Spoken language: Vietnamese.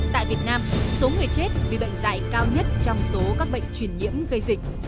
tại việt nam số người chết vì bệnh dạy cao nhất trong số các bệnh truyền nhiễm gây dịch